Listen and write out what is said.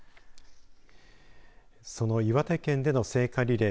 その岩手県での聖火リレー